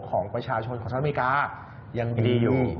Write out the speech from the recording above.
ของประชาชนของสหรัฐอเมริกายังดีอยู่